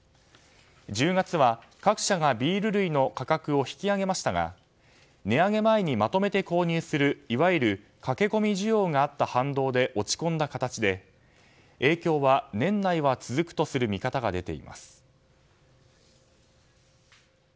１０月は、各社がビール類の価格を引き上げましたが値上げ前にまとめて購入するいわゆる駆け込み需要があった反動で落ち込んだ形で影響は年内は続くとする見方が出ています。